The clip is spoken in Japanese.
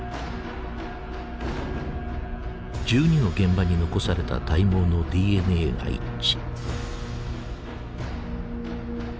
１２の現場に残された体毛のＤＮＡが一致。